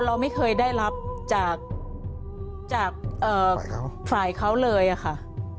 เราไม่เคยได้รับจากฝ่ายเขาเลยค่ะ